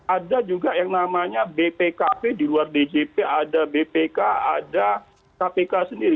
ada juga yang namanya bpkp di luar djp ada bpk ada kpk sendiri